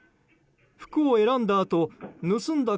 服を選んだあと盗んだ